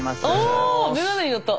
あ眼鏡になった。